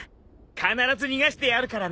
必ず逃がしてやるからな。